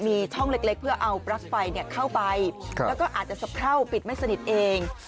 มีช่องเล็กเพื่อเอาปลั๊กไฟเข้าไปแล้วก็อาจจะสะเพราปิดไม่สนิทเอง